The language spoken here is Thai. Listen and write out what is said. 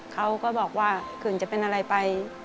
เขาก็บอกว่าคืนจะเป็นอะไรไป